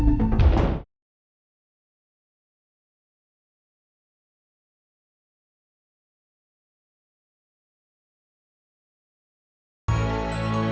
kamu belain kan lu sejadah itu mas